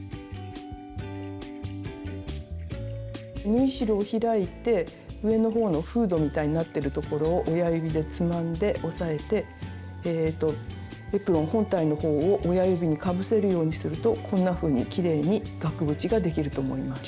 縫い代を開いて上のほうのフードみたいになってるところを親指でつまんで押さえてエプロン本体のほうを親指にかぶせるようにするとこんなふうにきれいに額縁ができると思います。